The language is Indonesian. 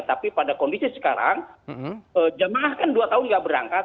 tapi pada kondisi sekarang jemaah kan dua tahun tidak berangkat